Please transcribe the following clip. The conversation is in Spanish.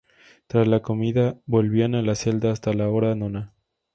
Tras la comida volvían a la celda hasta la hora Nona.